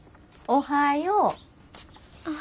おはよう。